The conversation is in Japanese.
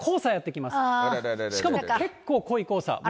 しかも結構濃い黄砂。